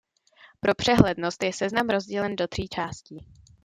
Pro přehlednost je seznam rozdělen do tří částí.